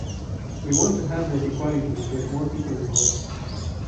We want to have that equality and get more people involved.